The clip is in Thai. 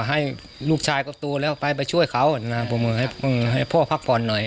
ให้ลูกชายก็โตแล้วไปไปช่วยเขานะผมบอกให้พ่อพักผ่อนหน่อย